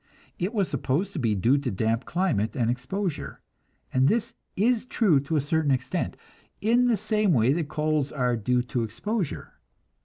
It was supposed to be due to damp climate and exposure, and this is true to a certain extent, in the same way that colds are due to exposure.